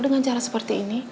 dengan cara seperti ini